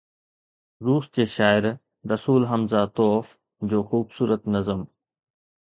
روس جي شاعر ”رسول حمزه توف“ جو خوبصورت نظم.